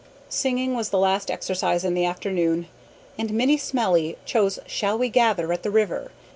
Singing was the last exercise in the afternoon, and Minnie Smellie chose Shall we Gather at the River?